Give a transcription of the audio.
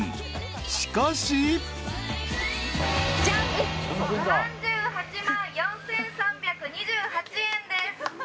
［しかし］「ジャン」「３８万４，３２８円です」